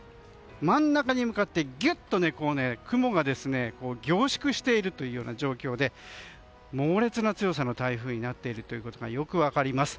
真ん中に向かってギュッと雲が凝縮しているという状況で猛烈な強さの台風になっていることがよく分かります。